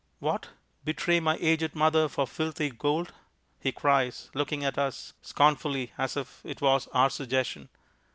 "What! Betray my aged mother for filthy gold!" he cries, looking at us scornfully as if it was our suggestion.